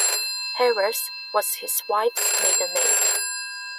"Harris" was his wife's maiden name.